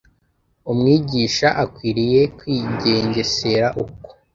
Umwigisha akwiriye kwigengesera uko